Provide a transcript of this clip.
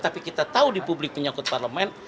tapi kita tahu di publik menyangkut parlemen